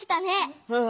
うん。